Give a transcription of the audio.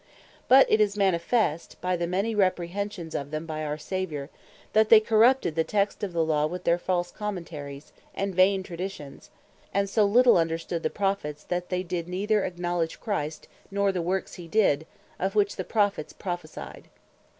But it is manifest, by the many reprehensions of them by our Saviour, that they corrupted the Text of the Law with their false Commentaries, and vain Traditions; and so little understood the Prophets, that they did neither acknowledge Christ, nor the works he did; for which the Prophets prophecyed.